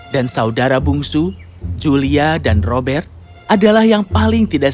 dan saudara bungsu julia dan robert adalah yang paling tidak